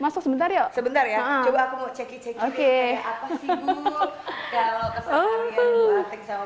masuk sebentar ya sebentar ya coba aku mau cek oke apa sih bu kalau kesempatan yang berat sama